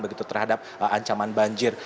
yaitu terhadap ancaman banjir